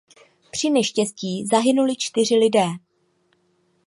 Při neštěstí zahynuli čtyři lidé.